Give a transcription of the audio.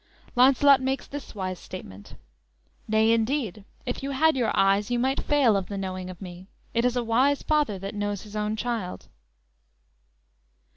"_ Launcelot makes this wise statement: _"Nay, indeed, if you had your eyes, You might fail of the knowing of me: It is a wise father that knows his own child!"